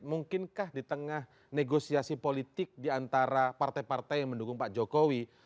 mungkinkah di tengah negosiasi politik diantara partai partai yang mendukung pak jokowi